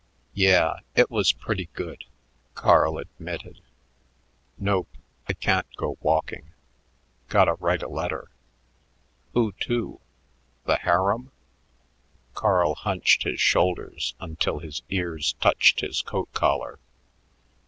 "Yeah, it was pretty good," Carl admitted. "Nope, I can't go walking; gotta write a letter." "Who to? The harem?" Carl hunched his shoulders until his ears touched his coat collar.